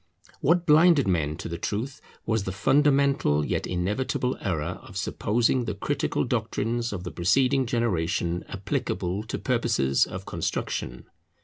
What blinded men to the truth was the fundamental yet inevitable error of supposing the critical doctrines of the preceding generation applicable to purposes of construction.